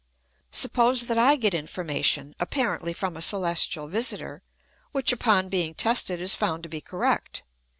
Suppose that I get information, apparently from a celes tial visitor, which upon being tested is found to be correct.